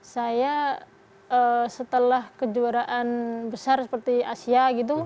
saya setelah kejuaraan besar seperti asia gitu